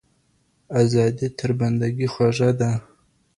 ازادي تر بندګۍ خوږه ده.